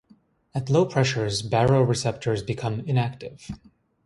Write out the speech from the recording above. At low pressures, baroreceptors become inactive.